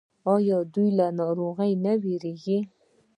ایا له ناروغۍ ویریږئ؟